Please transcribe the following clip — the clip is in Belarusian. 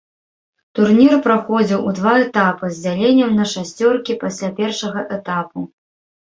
Турнір праходзіў у два этапы з дзяленнем на шасцёркі пасля першага этапу.